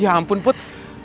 ya ampun put